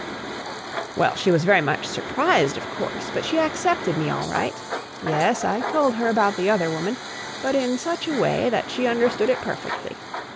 "Well, she was very much surprised, of course, but she accepted me all right. Yes, I told her about the other woman, but in such a way that she understood it perfectly.